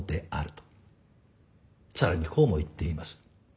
さらにこうも言っています。